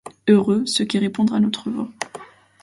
Heureux ceux qui répondent à notre voix.